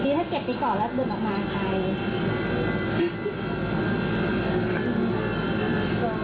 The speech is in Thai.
ดีถ้าเก็บไปต่อแล้วบึกออกมากาย